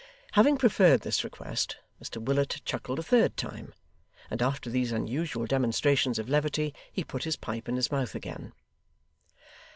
Having preferred this request, Mr Willet chuckled a third time, and after these unusual demonstrations of levity, he put his pipe in his mouth again.